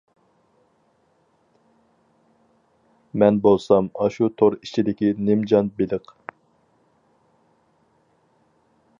مەن بولسام ئاشۇ تور ئىچىدىكى نىمجان بېلىق.